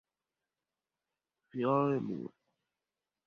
Field Mus.